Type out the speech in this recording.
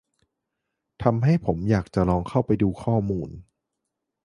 ทำให้ผมอยากจะลองเข้าไปดูข้อมูล